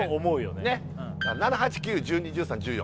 ねっ７８９１２１３１４